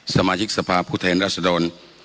สมาชิกสภาพพุทธแห่งราชดร